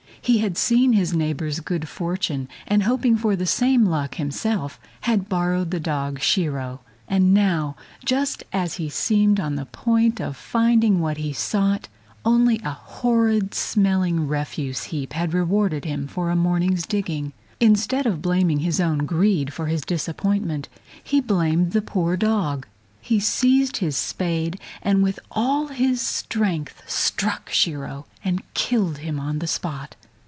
He had seen his neighbor's good fortune, and hoping for the same luck himself, he had borrowed the dog Shiro; and now, just as he seemed on the point of finding what he sought, only a horrid smelling refuse heap had rewarded him for a morning's digging. Instead of blaming his own greed for his disappointment, he blamed the poor dog. He seized his spade, and with all his strength struck Shiro and killed him on the spot.